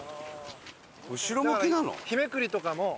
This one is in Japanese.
後ろ向きなの？